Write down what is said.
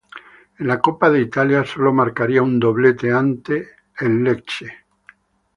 En la Copa de Italia, solo marcaría un doblete ante el Lecce.